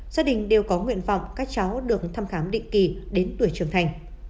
gia đình đều có nguyện vọng các cháu được thăm khám định kỳ đến tuổi trưởng thành